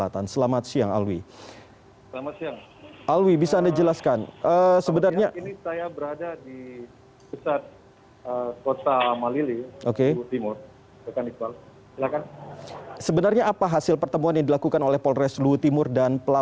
termasuk dari pihak kepolisian ya